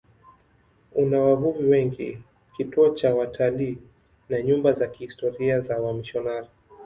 Una wavuvi wengi, kituo cha watalii na nyumba za kihistoria za wamisionari.